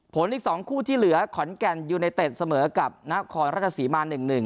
อีก๒คู่ที่เหลือขอนแก่นยูเนเต็ดเสมอกับนครราชสีมา๑๑